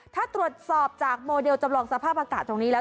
ถ้าตรวจสอบจากโมเดลจำลองสภาพอากาศตรงนี้แล้ว